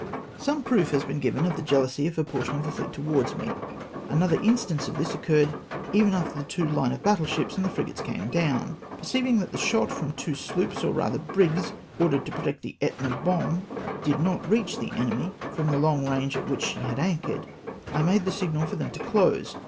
Some proof has been given of tlie jealousy of a por tion of the fleet towards me. Another instance of tliis occurred even after the two hne of battle ships and the frigates came down. Perceivinor that the shot from two sloops, or rather brigs, ordered to protect the Etna bomb, did not reach the enemy, from the long range at which she had anchored, I made the signal for them to close.